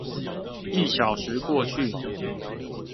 一小時過去